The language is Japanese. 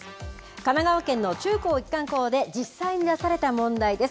神奈川県の中高一貫校で実際に出された問題です。